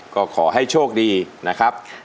ก็ขอให้โชคดีนะครับ